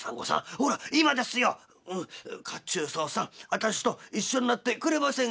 私と一緒になってくれませんか」。